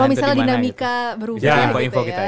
kalau misalnya dinamika berubah gitu kan